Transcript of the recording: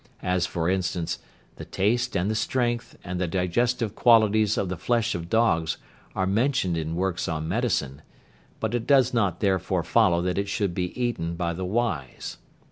As for instance, the taste, and the strength, and the digestive qualities of the flesh of dogs are mentioned in works on medicine, but it does not therefore follow that it should be eaten by the wise.